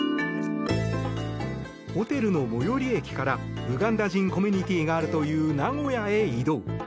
ホテルの最寄り駅からウガンダ人コミュニティーがあるという名古屋へ移動。